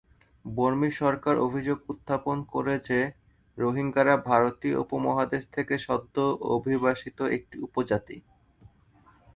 বর্মি সরকার অভিযোগ উত্থাপন করে যে, রোহিঙ্গ্যারা ভারতীয় উপমহাদেশ থেকে সদ্য অভিবাসিত একটি উপজাতি।